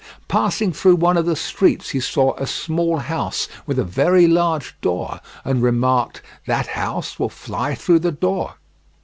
Passing through one of the streets he saw a small house with a very large door, and remarked: "That house will fly through the door."